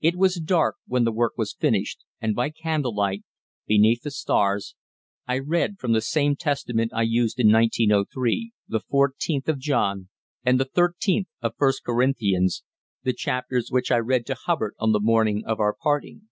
It was dark when the work was finished, and by candlelight, beneath the stars, I read, from the same Testament I used in 1903, the fourteenth of John and the thirteenth of First Corinthians, the chapters which I read to Hubbard on the morning of our parting.